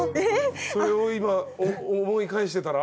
それを今思い返してたら？